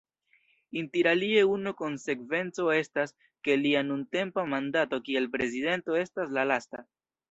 Interalie unu konsekvenco estas, ke lia nuntempa mandato kiel prezidento estas la lasta.